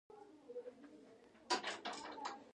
د نبی دعا کې د اردن ځمکه شامله ده.